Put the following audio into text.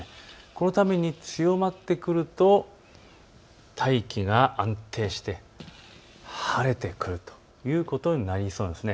このために強まってくると大気が安定して晴れてくるということになりそうです。